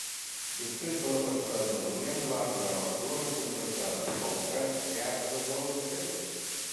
Després de la temporada italiana va arribar a Barcelona, contractada pel Gran Teatre del Liceu.